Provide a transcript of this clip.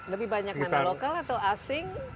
lebih banyak mana lokal atau asing